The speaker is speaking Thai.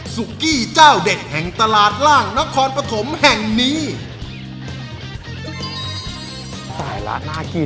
กี้เจ้าเด็ดแห่งตลาดล่างนครปฐมแห่งนี้